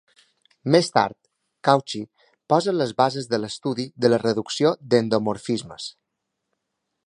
Més tard, Cauchy posa les bases de l'estudi de la reducció d'endomorfismes.